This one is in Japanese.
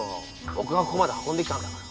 僕がここまで運んできたんだから。